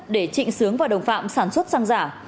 để trịnh sướng và đồng phạm sản xuất xăng giả